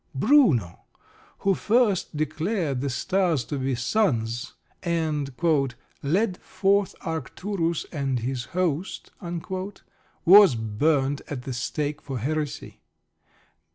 Bruno, who first declared the stars to be suns, and "led forth Arcturus and his host," was burnt at the stake for heresy.